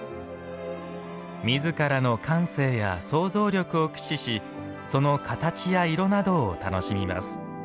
みずからの感性や想像力を駆使しその形や色などを楽しみます。